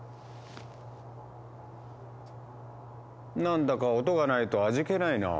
何だか音がないと味気ないな。